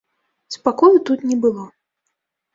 Спакою тут не было.